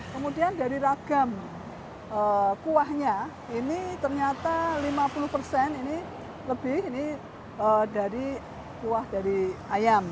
kemudian dari ragam kuahnya ini ternyata lima puluh persen ini lebih ini dari kuah dari ayam